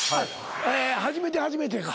初めて初めてか。